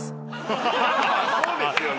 そうですよね。